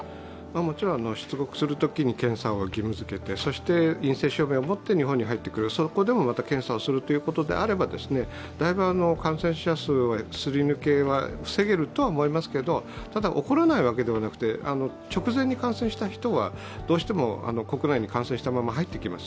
もちろん出国するときに検査を義務づけて、陰性証明を持って日本に入ってくる、そこでもまた検査をするということであれば大分、感染者数、すり抜けは防げるとは思いますけどただ、起こらないわけではなくて、直前に感染した人はどうしても国内に感染したまま入ってきます